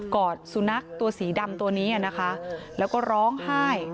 อดสุนัขตัวสีดำตัวนี้นะคะแล้วก็ร้องไห้